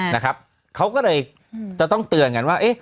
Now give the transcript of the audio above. ๑๒๓๔๕๖๗๘นะครับเขาก็เลยจะต้องเตือนกันว่า